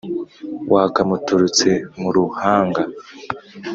Wakamuturutse mu ruhanga